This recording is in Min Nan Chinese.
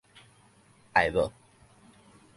愛--無